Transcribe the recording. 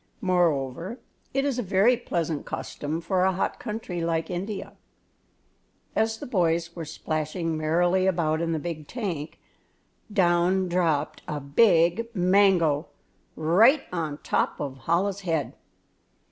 Moreover, it is a very pleasant custom for a hot country like India. As the boys were splashing merrily about in the big tank, down dropped a big mango right on top of Chola's head.